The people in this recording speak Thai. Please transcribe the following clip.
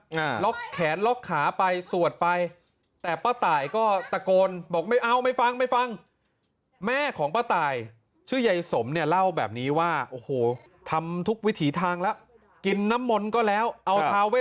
ล็อกแขนล็อกขาไปสวดไปแต่ป้าตายก็ตะโกนบอกไม่เอาไม่ฟังไม่ฟังแม่ของป้าตายชื่อยายสมเนี่ยเล่าแบบนี้ว่าโอ้โหทำทุกวิถีทางแล้วกินน้ำมนต์ก็แล้วเอาทาเว